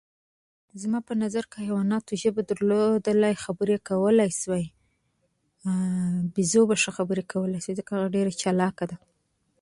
زما په نظر که حیواناتو ژبه درلودلی او خبرې یې کولی شوی نو بیزو به ښې خبرې کولی شوی ځکه هغه ډېره چالاکه ده.